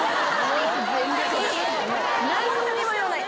何にも言わない。